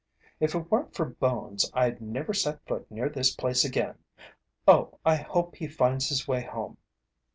"If it weren't for Bones, I'd never set foot near this place again! Oh, I hope he finds his way home."